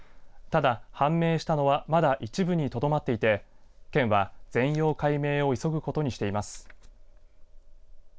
ただ、判明したのはまだ一部にとどまっていて県は全容解明を急ぐことにしています。